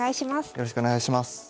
よろしくお願いします。